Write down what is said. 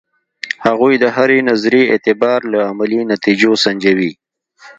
هغوی د هرې نظریې اعتبار له عملي نتیجو سنجوي.